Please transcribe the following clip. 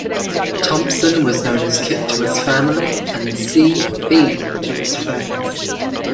Thomson was known as Kit to his family and C. B. to his friends.